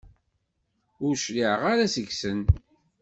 Ur cliɛeɣ ara seg-sen.